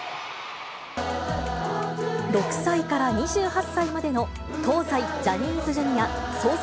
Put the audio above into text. ６歳から２８歳までの東西ジャニーズＪｒ．総勢